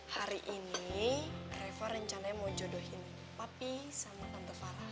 hari ini reva rencananya mau jodohin papi sama tante fala